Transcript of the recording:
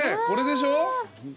これでしょ？